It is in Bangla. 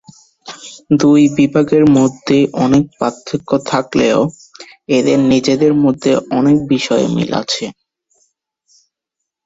দুই বিভাগের মধ্যে অনেক পার্থক্য থাকলেও এদের নিজেদের মধ্যে অনেক বিষয়ে মিল আছে।